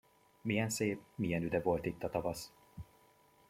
Milyen szép, milyen üde volt itt a tavasz!